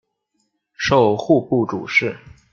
授户部主事。